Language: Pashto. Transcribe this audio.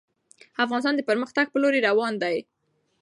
افغانستان د پرمختګ په لوري روان دی.